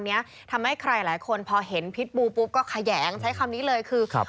เนี้ยทำให้ใครหลายคนพอเห็นพิษบูปุ๊บก็แขยงใช้คำนี้เลยคือครับ